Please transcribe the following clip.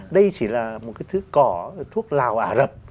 đây chỉ là một cái thứ cỏ thuốc lào ả rập